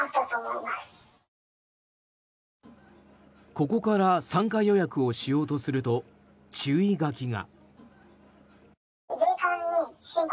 ここから参加予約をしようとすると注意書きが。